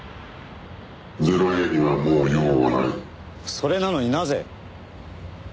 それなのになぜ？